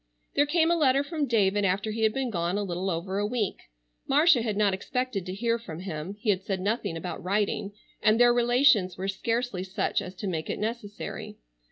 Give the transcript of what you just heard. There came a letter from David after he had been gone a little over a week. Marcia had not expected to hear from him. He had said nothing about writing, and their relations were scarcely such as to make it necessary.